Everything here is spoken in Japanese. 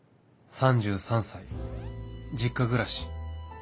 ３３歳実家暮らし